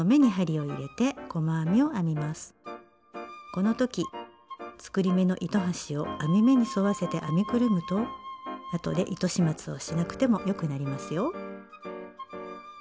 この時作り目の糸端を編み目に沿わせて編みくるむとあとで糸始末をしなくてもよくなりますよ。